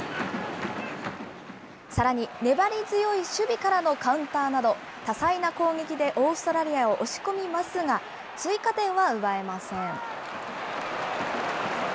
さらに粘り強い守備からのカウンターなど、多彩な攻撃で、オーストラリアを押し込みますが、追加点は奪えません。